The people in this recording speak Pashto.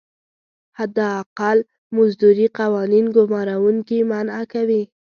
حداقل مزدوري قوانین ګمارونکي منعه کوي.